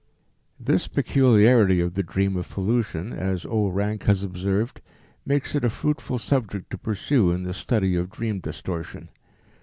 This peculiarity of the dream of pollution, as O. Rank has observed, makes it a fruitful subject to pursue in the study of dream distortion.